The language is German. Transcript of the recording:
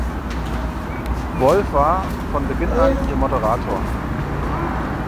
Wolf war von Beginn an ihr Moderator.